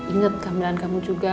ingat kehamilan kamu juga